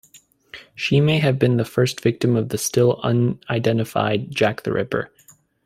She may have been the first victim of the still-unidentified Jack the Ripper.